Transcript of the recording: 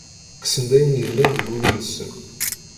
Kksen-d ayen yellan deg ul-nsen.